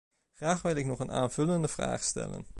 Graag wil ik nog een aanvullende vraag stellen.